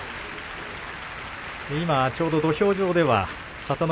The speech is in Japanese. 今ちょうど土俵上では聡ノ